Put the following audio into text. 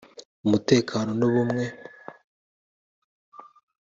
umutekano n’ubumwe